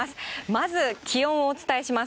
まず気温をお伝えします。